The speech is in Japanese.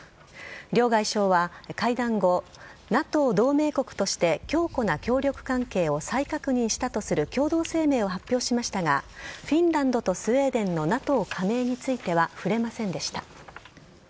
両外相は会談後ＮＡＴＯ同盟国としての強固な協力関係を再確認したとする共同声明を発表しましたがフィンランドとスウェーデンのＮＡＴＯ加盟については触れませんでした。